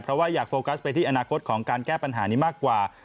เพราะว่าอยากโฟกัสไปที่อนาคตของการแก้ปัญหานี้มากกว่า